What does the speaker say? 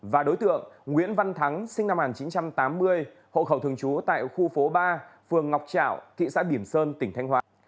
và đối tượng nguyễn văn thắng sinh năm một nghìn chín trăm tám mươi hộ khẩu thường trú tại khu phố ba phường ngọc trạo thị xã biểm sơn tỉnh thanh hóa